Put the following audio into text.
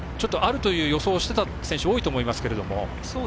あると予想していた選手は多いと思いますけれども。